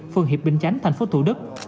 phường hiệp bình chánh thành phố thủ đức